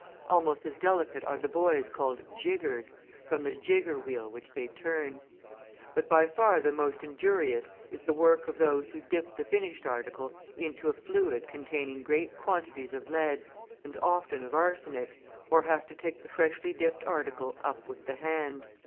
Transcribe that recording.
Almost as delicate are the boys called "jiggers," from the "jigger" wheel which they turn. But by far the most injurious is the work of those who dip the finished article into a fluid containing great quantities of lead, and often of arsenic, or have to take the freshly dipped article up with the hand.